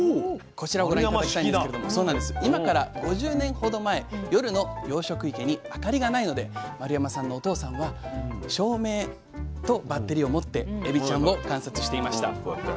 こちらをご覧頂きたいんですけれども今から５０年ほど前夜の養殖池に明かりがないので丸山さんのお父さんは照明とバッテリーを持ってエビちゃんを観察していました。